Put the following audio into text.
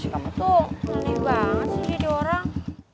kamu tuh sulit banget sih dia diorang